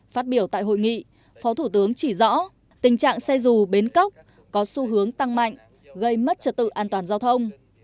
phát biểu tại hội nghị phó thủ tướng chỉ rõ tình trạng xe dù bến cóc có xu hướng tăng mạnh gây mất trật tự an toàn giao thông